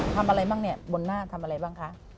ทำอะไรบ้างเนี่ยบนหน้าทำอะไรบ้างคะ